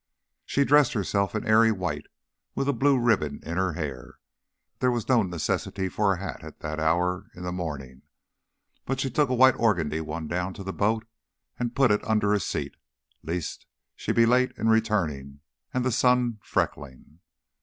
She dressed herself in airy white with a blue ribbon in her hair. There was no necessity for a hat at that hour in the morning, but she took a white organdie one down to the boat and put it under a seat, lest she be late in returning and the sun freckling.